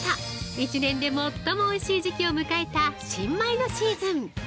１年で最もおいしい時期を迎えた新米のシーズン。